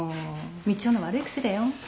みちおの悪い癖だよ。